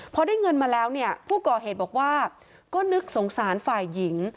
พอได้เงินมาแล้วเนี่ยผู้ก่อเหตุบอกว่าก็นึกสงสารฝ่ายหญิง